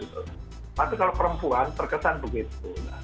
tapi kalau perempuan terkesan begitu